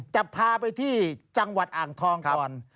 จะพาไปที่จังหวัดอ่างทองก่อน